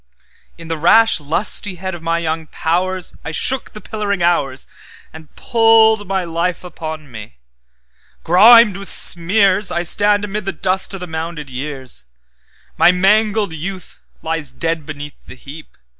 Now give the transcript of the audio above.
In the rash lustihead of my young powers,I shook the pillaring hoursAnd pulled my life upon me; grimed with smears,I stand amid the dust o' the mounded years—My mangled youth lies dead beneath the heap.